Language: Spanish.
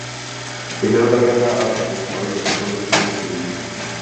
Declaró la guerra a otros principados, derrotándolos uno por uno.